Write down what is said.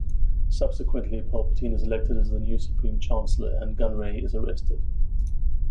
Subsequently, Palpatine is elected as the new Supreme Chancellor, and Gunray is arrested.